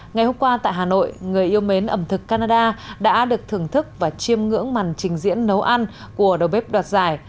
ngày hôm qua tại hà nội người yêu mến ẩm thực canada đã được thưởng thức và chiêm ngưỡng màn trình diễn nấu ăn của đầu bếp đoạt giải